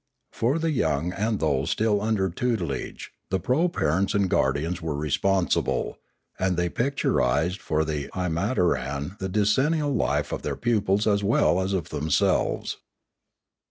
For the young and those still under tutelage the proparents and guardians were responsible, and they picturised for the imataran the decennial life of their pupils as well as of themselves.